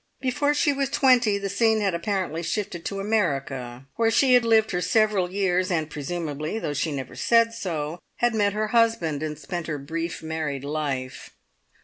Before she was twenty the scene had apparently shifted to America, where she had lived for several years, and presumably though she never said so had met her husband and spent her brief married life.